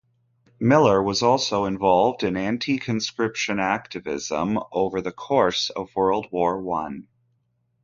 Miller was also involved in anti-conscription activism over the course of World War One.